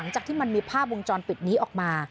จากที่มันมีภาพวงจรปิดนี้ออกมา